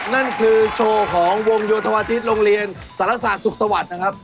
นั่นคือโชว์ของวงโยธวาทิศโรงเรียนสารศาสตร์สุขสวัสดิ์นะครับ